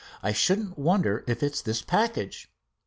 "I shouldn't wonder if this is the package."